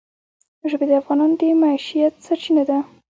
ژبې د افغانانو د معیشت سرچینه ده.